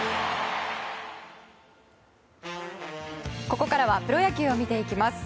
ここからはプロ野球を見ていきます。